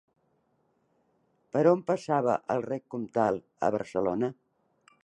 Per on passava el rec Comtal a Barcelona?